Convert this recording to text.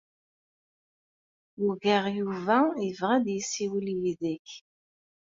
Ugaɣ Yuba yebɣa ad yessiwel yid-k.